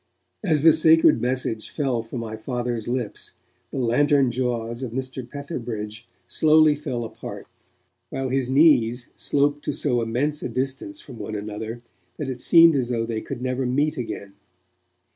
As the sacred message fell from my Father's lips the lantern jaws of Mr. Petherbridge slowly fell apart, while his knees sloped to so immense a distance from one another that it seemed as though they never could meet again.